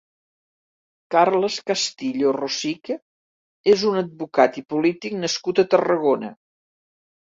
Carles Castillo Rosique és un advocat i polític nascut a Tarragona.